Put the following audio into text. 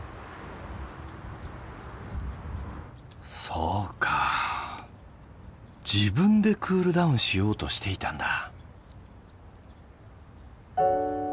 そうか自分でクールダウンしようとしていたんだ。